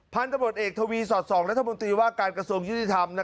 พันธุบัติเอกทวีสอด๒รัฐบุญตรีว่าการกระทรวงยุทธิธรรม